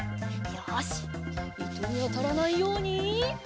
よしいとにあたらないように。